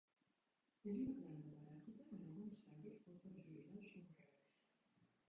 És una planta paràsita que en alguns casos pot perjudicar els conreus.